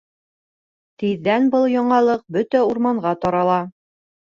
Тиҙҙән был яңылыҡ бөтә урманға тарала.